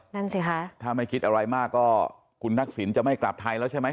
นั่นสิคะถ้าไม่คิดอะไรมากก็คุณทักษิณจะไม่กลับไทยแล้วใช่ไหม